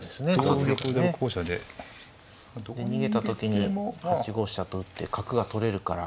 で逃げた時に８五飛車と打って角が取れるから。